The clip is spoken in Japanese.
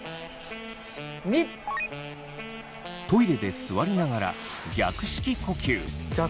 トイレで座りながら逆式呼吸。